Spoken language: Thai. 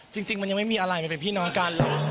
จริงมันยังไม่มีอะไรมาเป็นพี่น้องกันหรอก